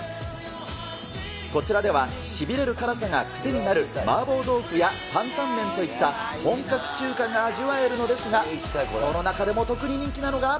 こちらではしびれる辛さが癖になる、麻婆豆腐や担々麺といった本格中華が味わえるのですが、その中でも特に人気なのが。